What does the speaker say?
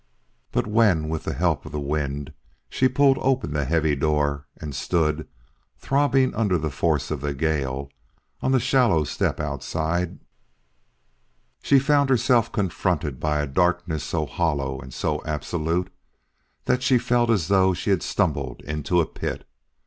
But when with the help of the wind she pulled open the heavy door and stood, throbbing under the force of the gale, on the shallow step outside, she found herself confronted by a darkness so hollow and so absolute that she felt as though she had stumbled into a pit.